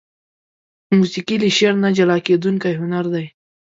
موسيقي له شعر نه جلاکيدونکى هنر دى.